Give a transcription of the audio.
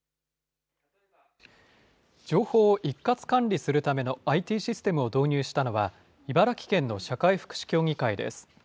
情報を一括管理するためのＩＴシステムを導入したのは、茨城県の社会福祉協議会です。